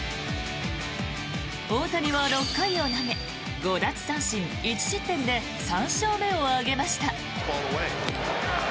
大谷は６回を投げ５奪三振１失点で３勝目を挙げました。